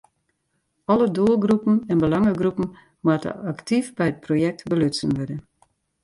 Alle doelgroepen en belangegroepen moatte aktyf by it projekt belutsen wurde.